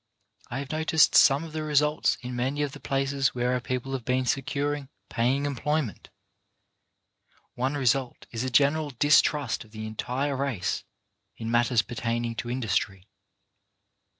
I have noticed some of the results in many of the places where our people have been securing paying employment. One result is a general distrust of the entire race in matters per taining to industry.